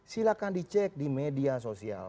silahkan dicek di media sosial